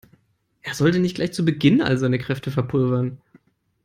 Er sollte nicht gleich zu Beginn all seine Kräfte verpulvern.